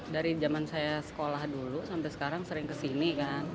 dari zaman saya sekolah dulu sampai sekarang sering kesini kan